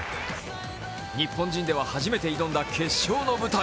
日本人では初めて挑んだ決勝の舞台。